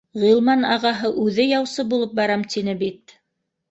Ғилман ағаһы үҙе яусы булып барам тине бит